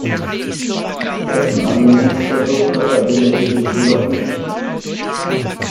Dessen Annäherungsversuche erwidert sie jedoch nicht.